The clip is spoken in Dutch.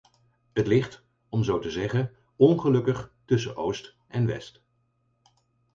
Het ligt, om zo te zeggen, ongelukkig tussen oost en west.